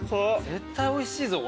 絶対おいしいぞこれ。